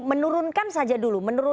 menurunkan saja dulu